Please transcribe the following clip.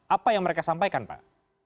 apa yang mereka sampaikan pak